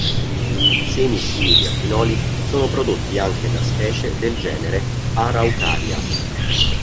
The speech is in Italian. Semi simili a pinoli sono prodotti anche da specie del genere "Araucaria".